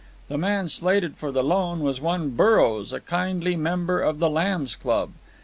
The man slated for the loan was one Burrows, a kindly member of the Lambs Club.